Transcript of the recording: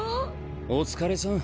お疲れさん。